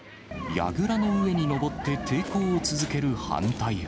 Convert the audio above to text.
やぐらの上に登って抵抗を続ける反対派。